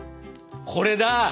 これだ。